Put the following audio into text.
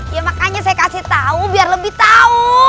ya makanya saya kasih tahu biar lebih tahu